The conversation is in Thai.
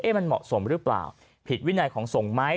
มันเหมาะสมหรือเปล่าผิดวินัยของสงฆ์ไหม